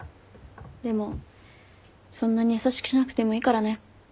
でもそんなに優しくしなくてもいいからね。